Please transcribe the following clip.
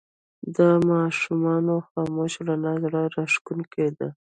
د ماښامونو خاموش رڼا زړه راښکونکې ده